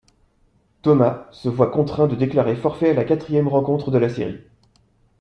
Thomas, se voit contraint de déclarer forfait à la quatrième rencontre de la série.